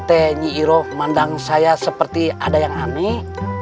saya melihat seperti ada yang aneh